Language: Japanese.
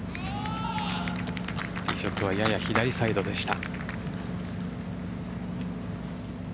ティーショットはやや左サイドでした。